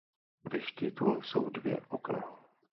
Ve štítu jsou dvě okna.